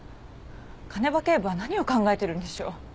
鐘場警部は何を考えてるんでしょう。